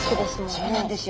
そうなんですよ。